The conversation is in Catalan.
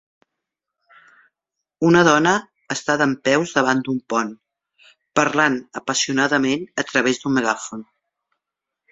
Una dona està dempeus davant d'un pont, parlant apassionadament a través d'un megàfon.